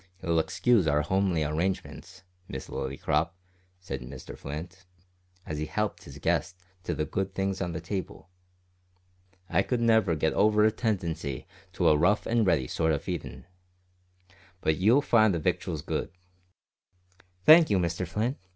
"You'll excuse our homely arrangements, Miss Lillycrop," said Mr Flint, as he helped his guest to the good things on the table. "I never could get over a tendency to a rough and ready sort o' feedin'. But you'll find the victuals good." "Thank you, Mr Flint.